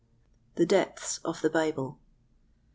The Depths of the Bible.